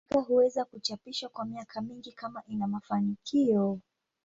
Manga huweza kuchapishwa kwa miaka mingi kama ina mafanikio.